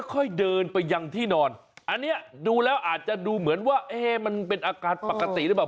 ค่อยเดินไปยังที่นอนอันนี้ดูแล้วอาจจะดูเหมือนว่ามันเป็นอาการปกติหรือเปล่า